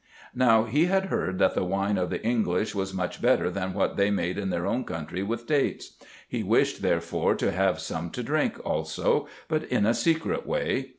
Now he had heard that the wine of the English was much better than what they made in their own country with dates ; he wished, therefore, to have some to drink also, but in a secret way.